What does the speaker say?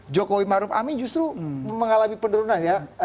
jokowi maruf amin justru mengalami penurunan ya